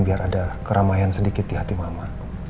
biar ada keramaian sedikit di hati mama